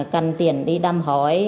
cần tiền đi đăm hỏi